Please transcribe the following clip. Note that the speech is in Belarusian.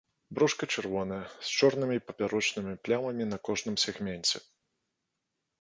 Брушка чырвонае з чорнымі папярочнымі плямамі на кожным сегменце.